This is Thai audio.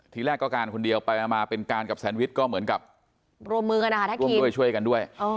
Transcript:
ทีแรกก็การคนเดียวไปมาเป็นการกับแซนวิชก็เหมือนกับรวมมือกันนะคะร่วมด้วยช่วยกันด้วย